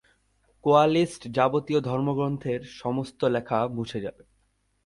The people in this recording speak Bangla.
কোয়ালিস্টদের যাবতীয় ধর্মগ্রন্থের সমস্ত লেখা মুছে যাবে।